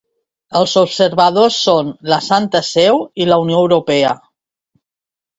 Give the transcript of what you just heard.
Els observadors són la Santa Seu i la Unió Europea.